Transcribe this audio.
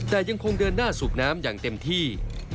แต่ยังคงเดินหน้าสูบน้ำอย่างเต็มที่